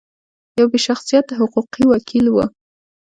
یو بې شخصیته حقوقي وکیل و.